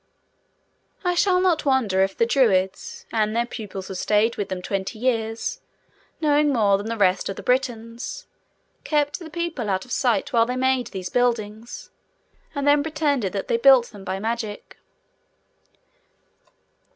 I should not wonder if the Druids, and their pupils who stayed with them twenty years, knowing more than the rest of the Britons, kept the people out of sight while they made these buildings, and then pretended that they built them by magic.